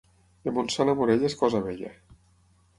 De Montsant a Morella és cosa vella.